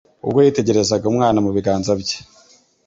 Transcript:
Ubwo yitegerezaga umwana mu biganza bye,